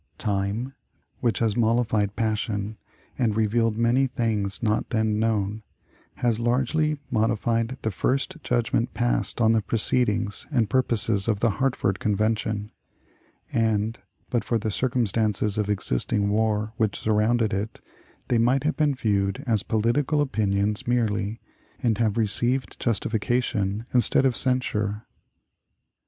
Time, which has mollified passion, and revealed many things not then known, has largely modified the first judgment passed on the proceedings and purposes of the Hartford Convention; and, but for the circumstances of existing war which surrounded it, they might have been viewed as political opinions merely, and have received justification instead of censure.